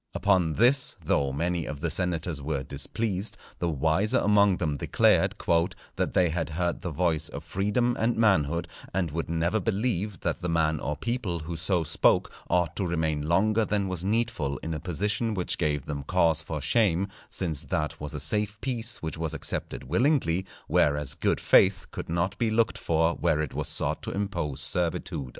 _" Upon this, though many of the senators were displeased, the wiser among them declared "_that they had heard the voice of freedom and manhood, and would never believe that the man or people who so spoke ought to remain longer than was needful in a position which gave them cause for shame; since that was a safe peace which was accepted willingly; whereas good faith could not be looked for where it was sought to impose servitude.